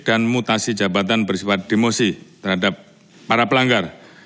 dan mutasi jabatan bersebut demosi terhadap para pelanggar